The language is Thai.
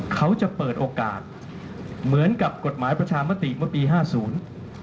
เขาจะเปิดโอกาสเหมือนกับกฎหมายประชามติเมื่อปีห้าศูนย์